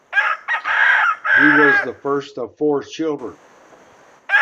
He was the first of four children.